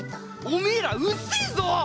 おめぇらうっせぇぞ！